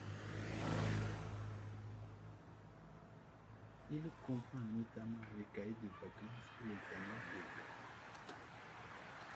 Il comprend notamment les cahiers de vacances et les annales d'examens.